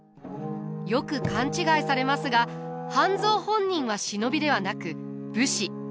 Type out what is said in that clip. よく勘違いされますが半蔵本人は忍びではなく武士。